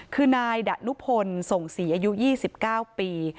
คือนายดะนุพลส่งศรีอายุ๒๙ปี